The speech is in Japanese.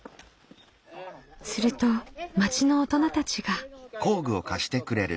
すると町の大人たちが。